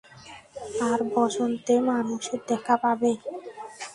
আর বসন্তে মানুষের দেখা পাবে।